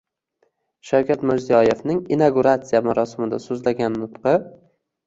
Shavkat Mirziyoyevning inauguratsiya marosimida so‘zlagan nutqi